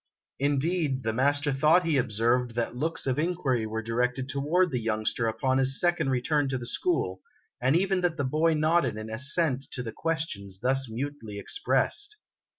Indeed, the master thought he observed that looks of inquiry were directed to ward the youngster upon his second return to the school, and even that the boy nodded an assent to the questions thus mutely ex pressed.